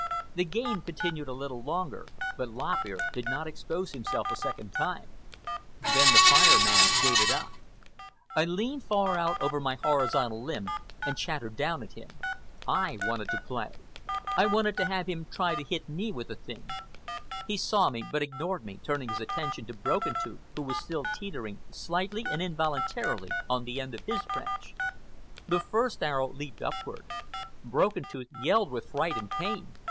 The game continued a little longer, but Lop Ear did not expose himself a second time. Then the Fire Man gave it up. I leaned far out over my horizontal limb and chattered down at him. I wanted to play. I wanted to have him try to hit me with the thing. He saw me, but ignored me, turning his attention to Broken Tooth, who was still teetering slightly and involuntarily on the end of the branch. The first arrow leaped upward. Broken Tooth yelled with fright and pain.